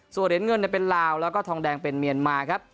ส่วนเหรียญเงินเป็นลาวแล้วก็ทองแดงเป็นเมียนมาครับ